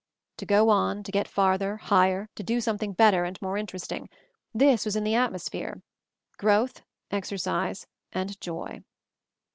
To go on, to get farther, higher, to do something better and more interesting, this was in the atmosphere; growth, exercise, and joy.